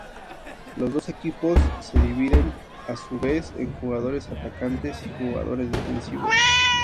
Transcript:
Los dos equipos se dividen a su vez en jugadores atacantes y jugadores defensivos.